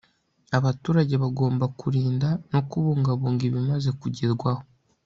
abaturage gabomba kurinda no kubungabunga ibimaze kugerwaho